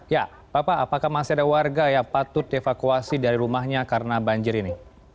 ya bapak apakah masih ada warga yang patut dievakuasi dari rumahnya karena banjir ini